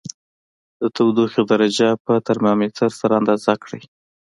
د تودوخې درجه په ترمامتر سره اندازه کړئ.